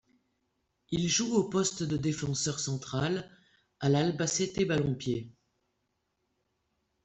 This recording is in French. Il joue au poste de défenseur central à l'Albacete Balompié.